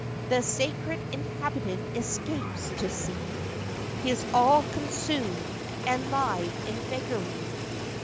The scared inhabitant escapes, to see His all consumed, and live in beggary.